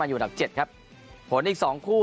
อยู่อันดับ๗ครับผลอีก๒คู่